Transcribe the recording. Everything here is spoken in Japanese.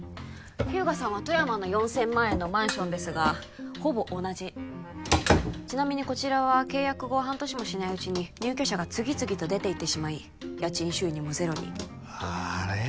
日向さんは富山の４０００万円のマンションですがほぼ同じちなみにこちらは契約後半年もしないうちに入居者が次々と出ていってしまい家賃収入もゼロにあれ？